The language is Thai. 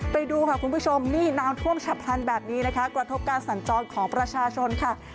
ไปดูค่ะคุณผู้ชมนี่น้ำท่วมฉับพลันแบบนี้นะคะกระทบการสัญจรของประชาชนค่ะ